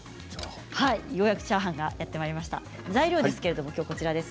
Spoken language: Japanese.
ようやくチャーハンがやってまいりました。